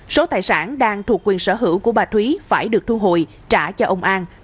số tài sản đang thuộc quyền sở hữu của bà thúy phải được thu hồi trả cho ông an